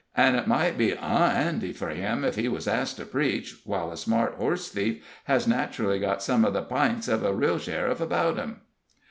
And it might be onhandy for him if he was asked to preach, while a smart horse thief has naturally got some of the p'ints of a real sheriff about him."